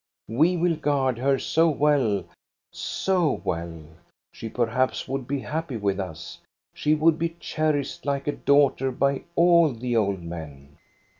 We will guard her so well, so well. She perhaps would be happy with us ; she would be cherished like a daughter by all the old men."